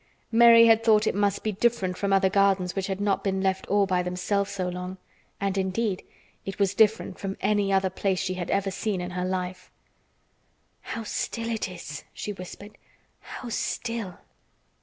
Mary had thought it must be different from other gardens which had not been left all by themselves so long; and indeed it was different from any other place she had ever seen in her life. "How still it is!" she whispered. "How still!"